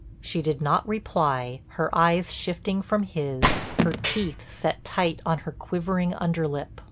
She did not reply, her eyes shifting from his, her teeth set tight on her quivering underlip.